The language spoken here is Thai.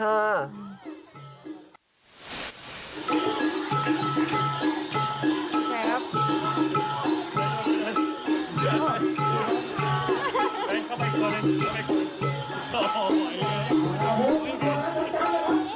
แสดงเลยค่ะ